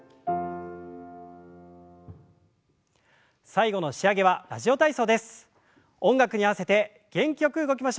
最後の仕上げは「ラジオ体操」です。